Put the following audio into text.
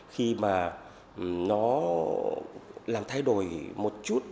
khi mà nó làm thay đổi một chút